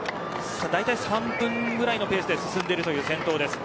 ３分ぐらいのペースで進んでいる先頭です。